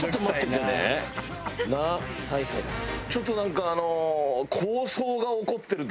ちょっとなんかあの。